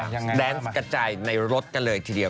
ยังไงล่ะมาแด๊กกระจายในรถกันเลยทีเดียว